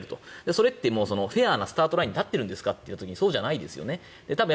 それってフェアなスタートラインに立っているんじゃないですかというとそうじゃないですよね。